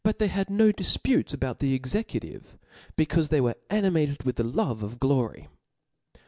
they had no difputes about the executive, beeaufe Aey were ^nirhated with the love of glory.